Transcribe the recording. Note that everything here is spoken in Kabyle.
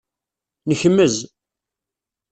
Nekmez.